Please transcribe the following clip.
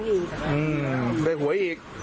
ยังไม่เข้าไปเลย